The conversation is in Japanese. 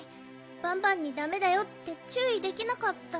バンバンにだめだよってちゅういできなかった。